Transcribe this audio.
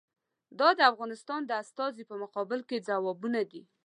دا د افغانستان د استازي په مقابل کې ځوابونه دي.